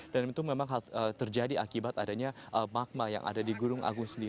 dan itu memang terjadi akibat adanya magma yang ada di gunung agung itu sendiri